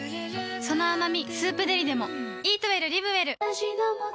その甘み「スープデリ」でも